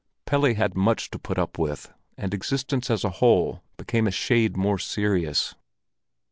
Pelle had much to put up with, and existence as a whole became a shade more serious.